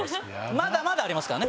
まだまだありますからね。